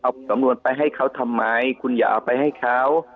เอาสำนวนไปให้เขาทำไมคุณอย่าเอาไปให้เขา